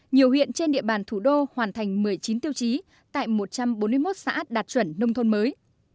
nhiều huyện trên địa bàn thủ đô hoàn thành một mươi chín tiêu chí tại một trăm bốn mươi một xã đạt chuẩn nông thôn mới